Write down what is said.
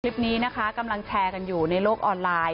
คลิปนี้นะคะกำลังแชร์กันอยู่ในโลกออนไลน์